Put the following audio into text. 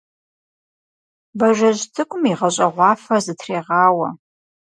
Бажэжь цӀыкӀум игъэщӀэгъуафэ зытрегъауэ.